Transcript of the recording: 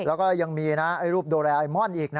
แล้วก็ยังมีรูปโดเรอร์ไอมอนด์อีกนะ